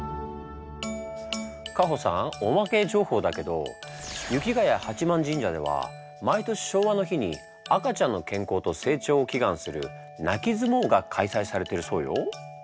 カホさんおまけ情報だけど雪ヶ谷八幡神社では毎年昭和の日に赤ちゃんの健康と成長を祈願する「泣き相撲」が開催されてるそうよ。